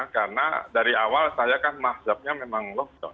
karena dari awal saya kan mazhabnya memang lockdown